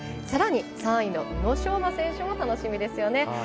さらに、３位の宇野昌磨選手も楽しみですよね。